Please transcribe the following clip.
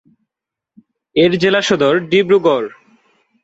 এর জেলা সদর ডিব্ৰুগড়।